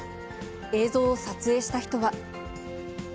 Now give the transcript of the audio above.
映像を撮影した人は。